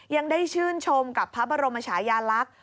ยังได้ชื่นชมกับพระบรมชายาลักษณ์